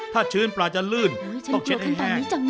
ถ้าชื้นปลาจะลื่นต้องเช็ดให้แห้ง